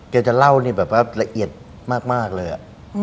แกจะเล่านี่เป็นรายละเอียดมากเลย